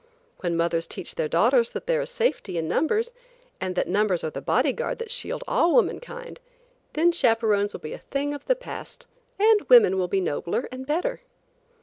When mothers teach their daughters that there is safety in numbers, and that numbers are the body guard that shield all woman kind, then chaperones will be a thing of the past, and women will be nobler and better.